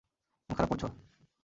মন খারাপ করছো?